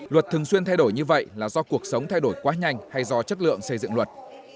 luật thường xuyên thay đổi như vậy là do cuộc sống thay đổi quá nhanh hay do chất lượng xây dựng luật